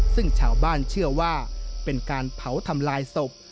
ซึ่งชาวบ้านเชื่อว่าเป็นการเผาทำลายศพ